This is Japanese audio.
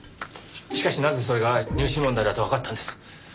しかしなぜそれが入試問題だとわかったんです？